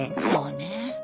そうね。